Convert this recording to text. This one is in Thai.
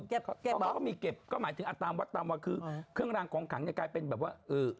เก็บบ้าก็อันตรัมวัตตัมว่าคือเครื่องรางกองขังกลายเป็นแบบว่า